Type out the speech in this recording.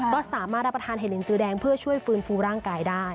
ก็สามารถรับประทานเหลินจือแดงเพื่อช่วยฟื้นฟูร่างกายได้